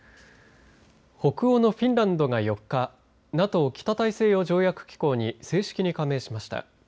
北欧のフィンランドが４日ＮＡＴＯ、北大西洋条約機構に正式に加盟しました。